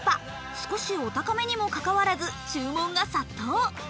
少しお高めにもかかわらず、注文が殺到。